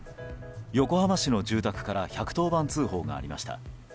横浜市の住宅から１１０番通報がありました。